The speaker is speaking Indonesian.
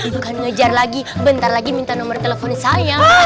bukan ngejar lagi bentar lagi minta nomor teleponnya saya